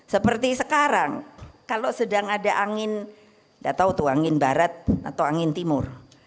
seperti sekarang kalau sedang ada angin tidak tahu itu angin barat atau angin timur